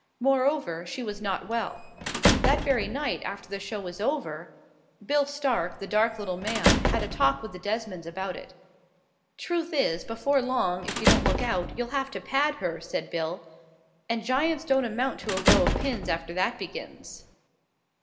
Moreover, she was not well. That very night, after the show was over, Bill Stark, the little dark man, had a talk with the Desmonds about it. "Truth is, before long, if you don't look out, you'll have to pad her," said Bill; "and giants don't amount to a row of pins after that begins."